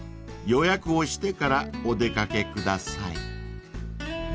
［予約をしてからお出掛けください］